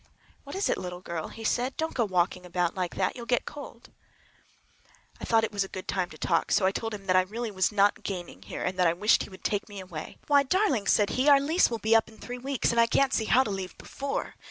"What is it, little girl?" he said. "Don't go walking about like that—you'll get cold." I thought it was a good time to talk, so I told him that I really was not gaining here, and that I wished he would take me away. "Why darling!" said he, "our lease will be up in three weeks, and I can't see how to leave before.